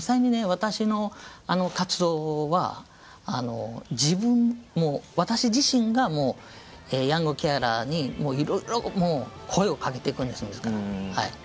私の活動は自分私自身がヤングケアラーにいろいろ声をかけていくんです自ら。